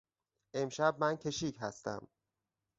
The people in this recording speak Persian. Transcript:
امشب من کشیک هستم.